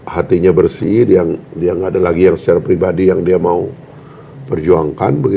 hatinya bersih dia nggak ada lagi yang secara pribadi yang dia mau perjuangkan